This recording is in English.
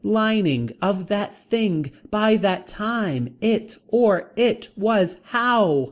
Lining. Of that thing. By that time. It. Or. It. Was. How.